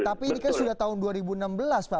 tapi ini kan sudah tahun dua ribu enam belas pak